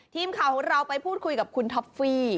ทีมข่าวของเราไปพูดคุยกับคุณท็อฟฟี่